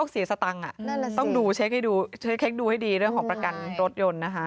เซ็กดูให้ดีเรื่องของประกันรถยนต์นะคะ